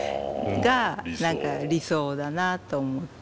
が何か理想だなと思って。